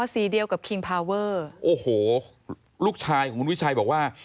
สีเดียวกับคิงพาเวอร์โอ้โหลูกชายของคุณวิชัยบอกว่า